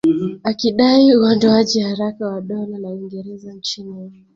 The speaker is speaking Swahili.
Akidai uondoaji haraka wa Dola la Uingereza nchini India